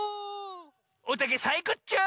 おたけサイコッチョー！